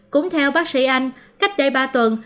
cũng theo bác sĩ anh cách đây ba tuần